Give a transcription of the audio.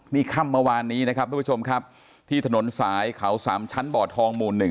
นี่ค่ำเมื่อวานนี้นะครับทุกผู้ชมครับที่ถนนสายเขาสามชั้นบ่อทองหมู่๑